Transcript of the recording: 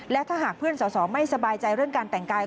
และถ้าหากเพื่อนสอสอไม่สบายใจเรื่องการแต่งกาย